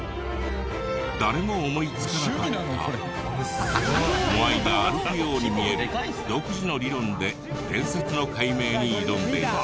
誰も思いつかなかったモアイが歩くように見える独自の理論で伝説の解明に挑んでいた。